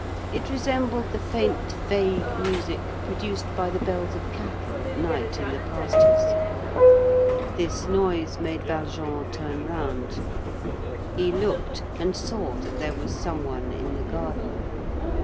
It resembled the faint, vague music produced by the bells of cattle at night in the pastures. This noise made Valjean turn round. He looked and saw that there was some one in the garden.